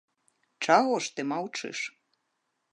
Чаго ж ты маўчыш?